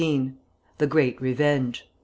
THE GREAT REVENGE.